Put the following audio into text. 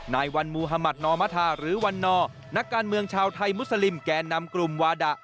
นายวันมุธมัธนอมธาหรือวันนอร์นักการเมืองชาวไทยมุสลิมแก่นำกลุ่มวาดะ